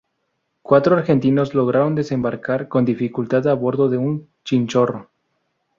Cuatro argentinos lograron desembarcar con dificultad a bordo de un chinchorro.